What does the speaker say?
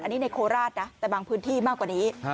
อันนี้ในโคราชนะแต่บางพื้นที่มากกว่านี้